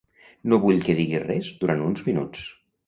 No vull que diguis res durant uns minuts.